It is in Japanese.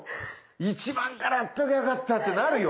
１万円からやっとけばよかったってなるよ。